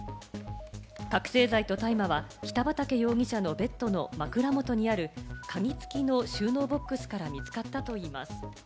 覚せい剤と大麻は北畠容疑者のベッドの枕元にある鍵付きの収納ボックスから見つかったといいます。